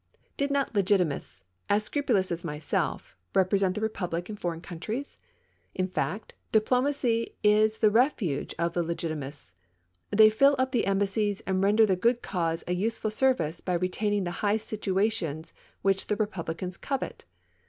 Did not Legitimists, as scrupulous as myself, represent the Ee public in foreign countries ? In fact, diplomacy is the refuge of the Legitimists; they fill up the embassies and render the good cause a useful service by retaining the high situations which the Eepublicans covet.